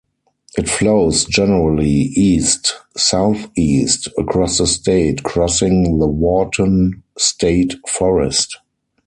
It flows generally east-southeast across the state, crossing the Wharton State Forest.